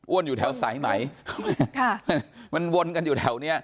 อ้วนอยู่แถวสายไหมมันวนกันอยู่แถวเนี่ย